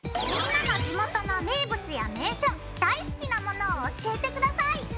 みんなの地元の名物や名所大好きなものを教えて下さい！